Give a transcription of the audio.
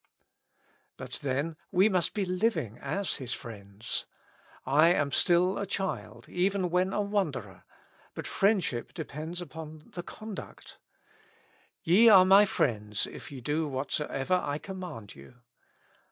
But then we must be living as His friends. I am still a child, even when a wanderer ; but friendship depends upon the conduct. "Ye are my friends if ye do whatsoever I command you."